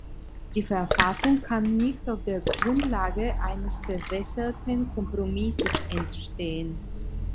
Die Verfassung kann nicht auf der Grundlage eines verwässerten Kompromisses entstehen.